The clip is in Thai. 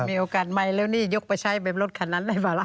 มีโอกาสใหม่แล้วนี่ยกไปใช้แบบรถคันนั้นได้ป่ะล่ะ